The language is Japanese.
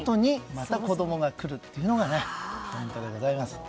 また子供が来るというのがポイントでございます。